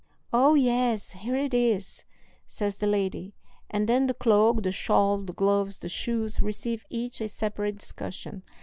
"Oh, yes, here it is," says the lady; and then the cloak, the shawl, the gloves, the shoes, receive each a separate discussion.